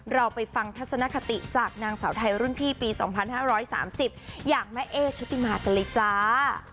เราไปฟังทัศนคติจากนางสาวไทยรุ่นพี่ปี๒๕๓๐อย่างแม่เอ๊ชุติมากันเลยจ้า